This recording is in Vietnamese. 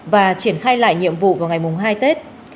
và triển khai lại nhiệm vụ vào ngày hai tết